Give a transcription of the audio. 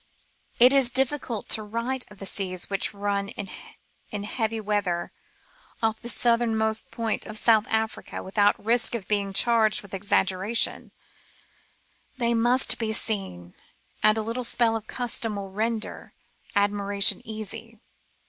It is difficult to write of the seas which run in heavy weather off the southernmost point of South America without risk of being charged with exaggeration ; they must be seen, and a little spell of custom will render admiration easy.